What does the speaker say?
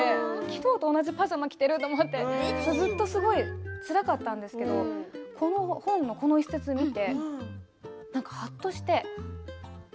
昨日と同じパジャマを着ているって思ってずっとつらかったんですけれどこの本のこの一節を見てはっとして。